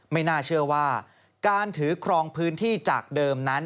ไม่น่าเชื่อว่าการถือครองพื้นที่จากเดิมนั้น